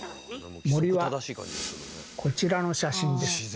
森はこちらの写真です。